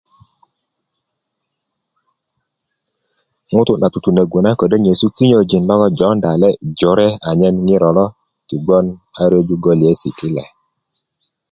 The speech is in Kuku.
ŋutu' nagoŋ tutunöggu na ködö nyesu kinyojin logoŋ jonda le jore anyen ŋiro lo ti gbon a ryöju goliyesi' ti le